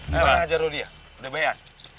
bagaimana aja roli ya udah bayar